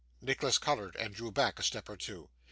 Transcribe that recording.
Nicholas coloured, and drew back a step or two.